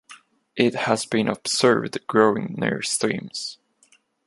It has been observed growing near streams.